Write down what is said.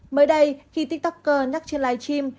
mới đây khi tiktoker nhắc trên live stream